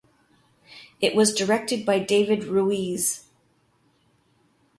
It was directed by David Ruiz.